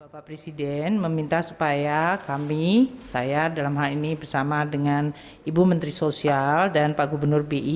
bapak presiden meminta supaya kami saya dalam hal ini bersama dengan ibu menteri sosial dan pak gubernur bi